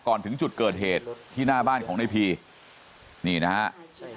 ถึงจุดเกิดเหตุที่หน้าบ้านของในพีนี่นะฮะ